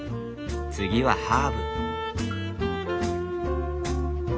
次はハーブ。